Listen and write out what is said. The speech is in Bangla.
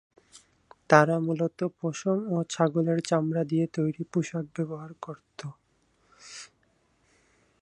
তারা মূলত পশম ও ছাগলের চামড়া দিয়ে তৈরি পোশাক ব্যবহার করত।